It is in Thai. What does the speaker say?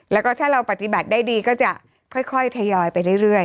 แล้วก็ถ้าเราปฏิบัติได้ดีก็จะค่อยทยอยไปเรื่อย